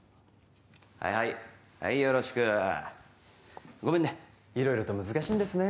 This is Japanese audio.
はいはいはいよろしくごめんね色々と難しいんですね